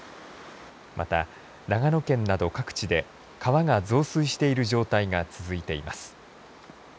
また、長野県など各地で川が増水している状態が続いています。